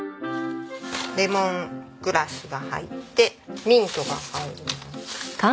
レモングラスが入ってミントが入ります。